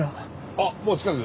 あっもう近く？